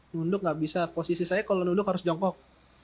nunduk nggak bisa posisi saya kalau nunduk harus jongkok